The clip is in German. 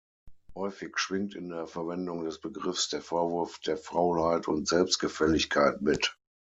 Häufig schwingt in der Verwendung des Begriffs der Vorwurf der Faulheit und Selbstgefälligkeit mit.